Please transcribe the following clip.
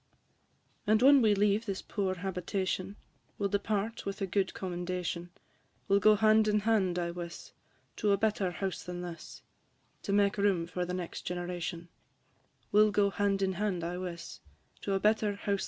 And when we leave this poor habitation, We 'll depart with a good commendation; We 'll go hand in hand, I wiss, To a better house than this, To make room for the next generation; We 'll go hand in hand, I wiss, &c.